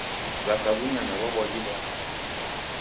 W'aka w'unyanya w'abwaghilo anyaja.